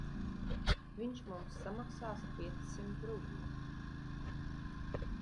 Viņš mums samaksās piecsimt rubļu.